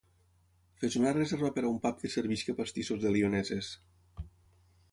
Fes una reserva per a un pub que serveixi pastissos de lioneses